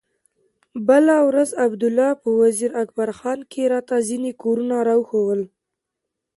بله ورځ عبدالله په وزير اکبر خان کښې راته ځينې کورونه راوښوول.